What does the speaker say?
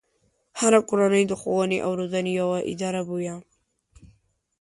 هره کورنۍ د ښوونې او روزنې يوه اداره بويه.